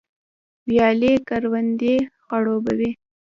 ویالې کروندې خړوبوي